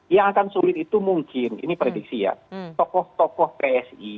yang akan sulit itu mungkin ini prediksi ya tokoh tokoh psi